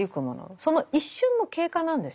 その一瞬の経過なんですよね。